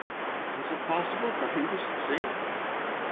"Is it possible for him to succeed?"